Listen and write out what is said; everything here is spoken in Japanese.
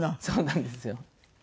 そうなんですよ。